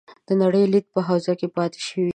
د نړۍ لید په حوزه کې پاتې شوي دي.